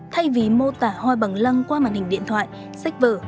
thay vì mô tả hoa bằng lăng qua màn hình điện thoại sách vở